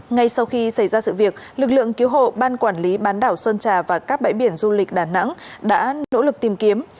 ngay sau khi xảy ra sự việc lực lượng cứu hộ ban quản lý bán đảo sơn trà và các bãi biển du lịch đà nẵng đã nỗ lực tìm kiếm